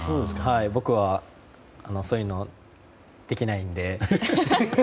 僕はそういうのできないので。